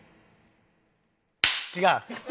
違う！